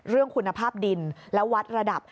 เรื่องคุณภาพดินและวัดระดับ